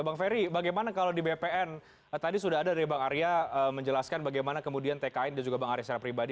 bang ferry bagaimana kalau di bpn tadi sudah ada dari bang arya menjelaskan bagaimana kemudian tkn dan juga bang arya secara pribadi